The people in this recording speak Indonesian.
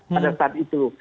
pada saat itu